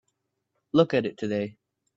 Look at it today.